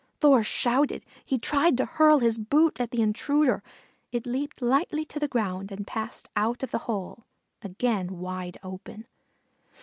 Thor shouted; he tried to hurl his boot at the intruder. It leaped lightly to the ground and passed out of the hole, again wide open.